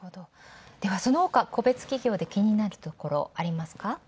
ではそのほか個別企業で気になるところありますか？